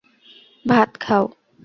ভাত খাও।